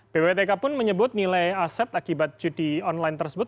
ppatk pun menyebut nilai aset akibat judi online tersebut